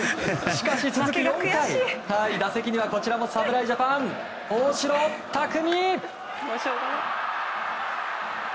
しかし続く４回、打席にはこちらも侍ジャパン、大城卓三。